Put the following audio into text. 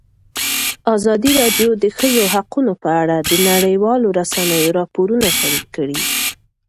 ازادي راډیو د د ښځو حقونه په اړه د نړیوالو رسنیو راپورونه شریک کړي.